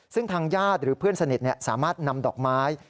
ซึ่งทางญาติหรือเพื่อนสนิทสามารถนำดอกไม้